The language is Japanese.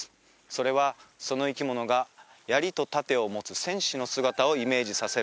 それはその生き物が槍と盾を持つ戦士の姿をイメージさせるからだというのですが